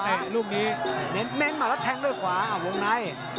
นะแข่งขวาลูกนี้นั้นแฉ่งด้วยขวาอ่ะวงใน